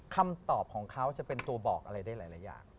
คำตอบของเขาจะเป็นตัวบอกอะไรได้หลายอย่าง